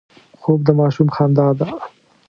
خوب د ماشوم خندا ده